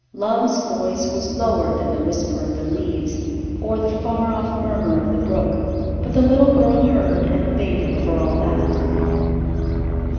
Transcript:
Love's voice was lower than the whisper of the leaves or the far off murmur of the brook; but the little girl heard and obeyed it for all that.